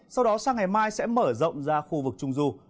sau đó sang ngày mai sẽ mở rộng ra khu vực trung du